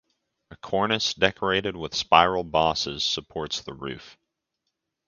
A cornice decorated with spiral bosses supports the roof.